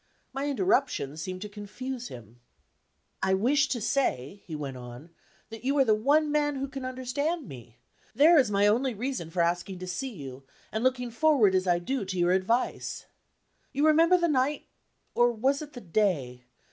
My interruption seemed to confuse him. "I wished to say," he went on, "that you are the one man who can understand me. There is my only reason for asking to see you, and looking forward as I do to your advice. You remember the night or was it the day?